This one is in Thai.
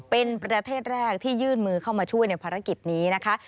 เป็นประเทศแรกที่ยื่นมือเข้ามาช่วยในภารกิจนี้นะคะ